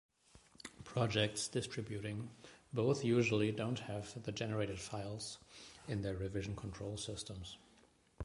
Projects distributing both usually don't have the generated files in their revision control systems.